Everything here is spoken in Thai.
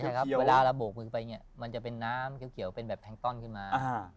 ใช่ครับเวลาระบบมันจะเป็นน้ำเขียวเป็นแบบแพงก์ต้อนขึ้นมา